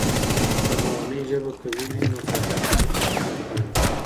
که مورنۍ ژبه قوية وي، نو په زده کړه کې خنډونه کم وي.